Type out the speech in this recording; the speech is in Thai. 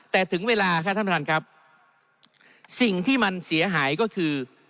แต่ถึงเวลาครับท่านประธานครับสิ่งที่มันเสียหายก็คือ